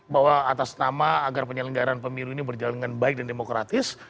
bahwa atas nama agar penyelenggaran pemilu ini berjalan dengan baik dan demokratis